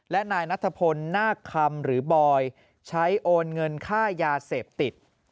และนายนัทพลนาคคำหรือบอยใช้โอนเงินค่ายาเสพติด